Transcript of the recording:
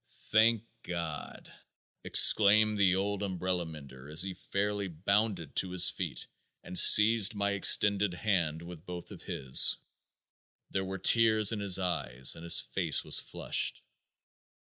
"Thank God," exclaimed the old umbrella mender as he fairly bounded to his feet and seized my extended hand with both of his. There were tears in his eyes and his face was flushed.